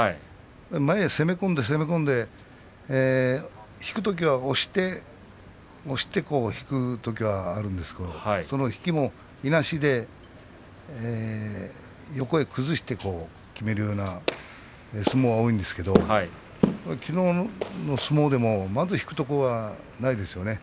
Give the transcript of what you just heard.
前に攻め込んで攻め込んで引くときは、押して引くときはあるんですけれどその引きも横に崩して決めるような相撲が多いんですけれどもきのうの相撲でもまず引くところがないですよね。